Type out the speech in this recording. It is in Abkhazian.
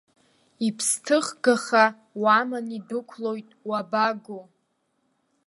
Иԥсҭыхгаха уаман идәықәлоит, уабаго?